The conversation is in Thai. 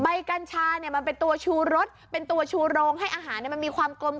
กัญชาเนี่ยมันเป็นตัวชูรสเป็นตัวชูโรงให้อาหารมันมีความกลม